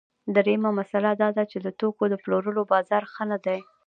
درېیمه مسئله دا ده چې د توکو د پلورلو بازار ښه نه دی